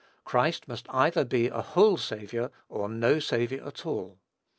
Christ must either be a whole Saviour, or no Saviour at all.